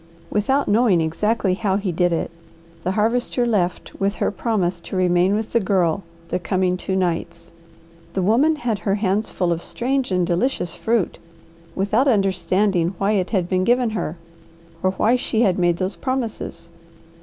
Without knowing exactly how he did it, the Harvester left with her promise to remain with the Girl the coming two nights. The woman had her hands full of strange and delicious fruit without understanding why it had been given her, or why she had made those promises.